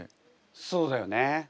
そうだよね。